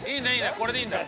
これでいいんだ。